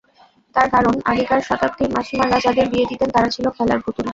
তার কারণ, আগেকার শতাব্দীর মাসিমারা যাদের বিয়ে দিতেন তারা ছিল খেলার পুতুল।